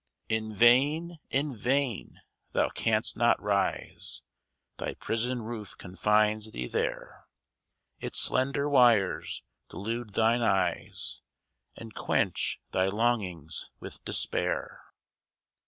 In vain in vain! Thou canst not rise: Thy prison roof confines thee there; Its slender wires delude thine eyes, And quench thy longings with despair.